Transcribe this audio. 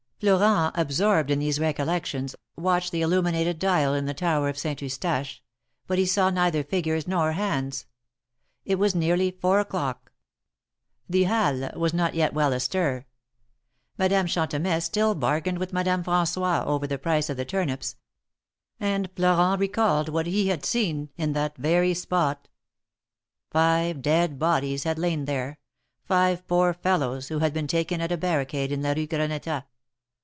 Florent, absorbed in these recollections, watched the illuminated dial in the tower of Saint Eustache, but he saw neither figures nor hands. It was nearly four o'clock. The Halles was not yet well astir. Madame Chantemesse still bargained with Madame Francois over the price of the turnips, and Florent recalled what he had seen in that very spot — five dead bodies had lain there — five poor fellows who had been taken at a barricade in la Rue Gren^ta.